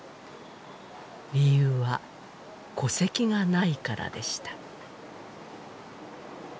理由は戸籍がないからでした